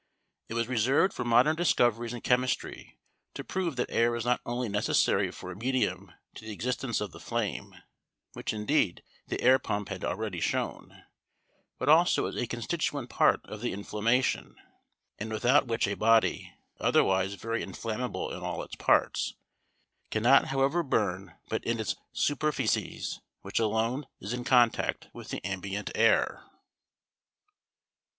It was reserved for modern discoveries in chemistry to prove that air was not only necessary for a medium to the existence of the flame, which indeed the air pump had already shown; but also as a constituent part of the inflammation, and without which a body, otherwise very inflammable in all its parts, cannot, however, burn but in its superficies, which alone is in contact with the ambient air.